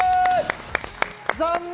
残念！